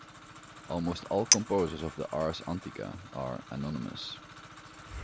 Almost all composers of the "ars antiqua" are anonymous.